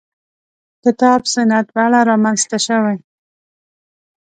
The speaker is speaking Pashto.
کتاب سنت په اړه رامنځته شوې.